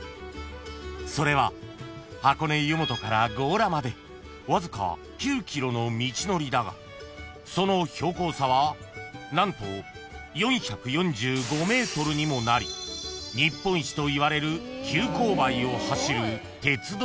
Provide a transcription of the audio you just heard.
［それは箱根湯本から強羅までわずか９ｋｍの道のりだがその標高差は何と４４５ｍにもなり日本一といわれる急勾配を走る鉄道なのだ］